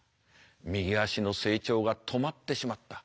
右足の成長が止まってしまった。